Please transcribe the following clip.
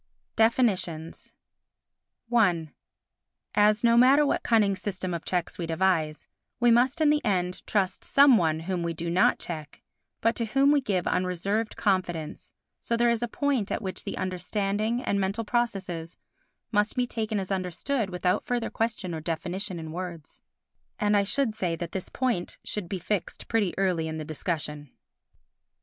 Definitions i As, no matter what cunning system of checks we devise, we must in the end trust some one whom we do not check, but to whom we give unreserved confidence, so there is a point at which the understanding and mental processes must be taken as understood without further question or definition in words. And I should say that this point should be fixed pretty early in the discussion.